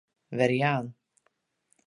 Werjaan.